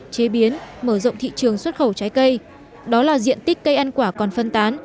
chế biến mở rộng thị trường xuất khẩu trái cây đó là diện tích cây ăn quả còn phân tán